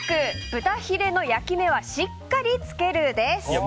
豚ヒレ肉の焼き目はしっかりつけるです。